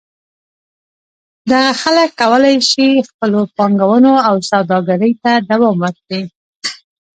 دغه خلک کولای شي خپلو پانګونو او سوداګرۍ ته دوام ورکړي.